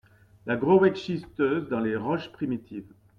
La grauwacke schisteuse dans les roches primitives !…